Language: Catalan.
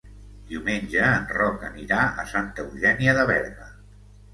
Diumenge en Roc anirà a Santa Eugènia de Berga.